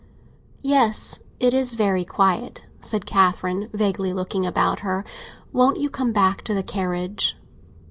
"Yes, it's very quiet," said Catherine vaguely, looking about her. "Won't you come back to the carriage?"